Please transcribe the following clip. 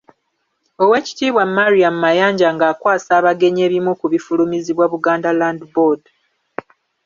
Oweekitiibwa Mariam Mayanja ng'akwasa abagenyi ebimu ku bifulumizibwa Buganda Land Board.